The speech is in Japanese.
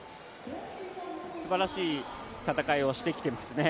すばらしい戦いをしてきていますね。